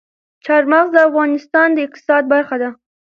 چار مغز د افغانستان د اقتصاد برخه ده.